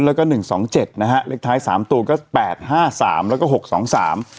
แล้วก็หนึ่งสองเจ็ดนะฮะเลขท้ายสามตัวก็แปดห้าสามแล้วก็หกสองสาม